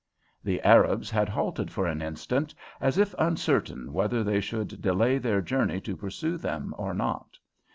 The Arabs had halted for an instant, as if uncertain whether they should delay their journey to pursue them or not.